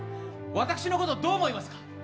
私のことどう思いますか？